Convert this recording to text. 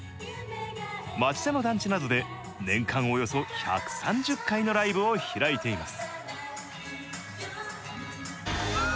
町田の団地などで年間およそ１３０回のライブを開いています。